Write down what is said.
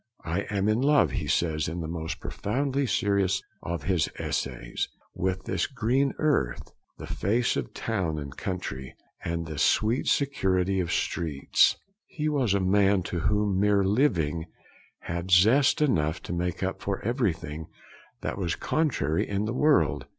'I am in love,' he says in the most profoundly serious of his essays, 'with this green earth; the face of town and country; and the sweet security of streets.' He was a man to whom mere living had zest enough to make up for everything that was contrary in the world.